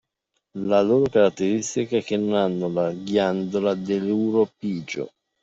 La loro caratteristica è che non hanno la ghiandola dell’uropigio